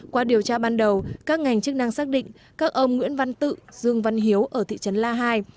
qua điều tra ban đầu các ngành chức năng xác định các ông nguyễn văn tự dương văn hiếu ở thị trấn la hai